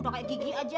udah kayak gigi aja